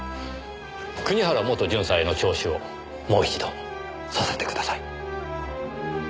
国原元巡査への聴取をもう一度させてください。